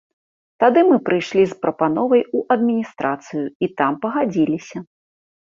Тады мы прыйшлі з прапановай ў адміністрацыю і там пагадзіліся.